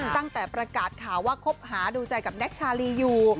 ตั้งแต่ประกาศข่าวว่าคบหาดูใจกับแน็กชาลีอยู่